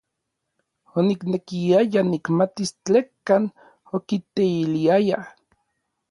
Oniknekiaya nikmatis tlekan okiteiliayaj.